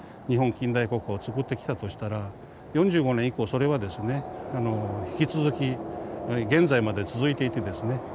日本近代国家をつくってきたとしたら４５年以降それはですね引き続き現在まで続いていてですね